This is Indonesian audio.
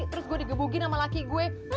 terus gue digebukin sama laki gue